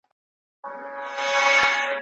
اوس د محتسب له ویري شرنګ له تاره نه وزي